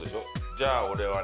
じゃあ俺はね。